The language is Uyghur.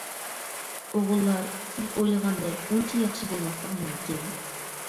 ئوغۇللار سىز ئويلىغاندەك ئۇنچە ياخشى بولماسلىقى مۇمكىن.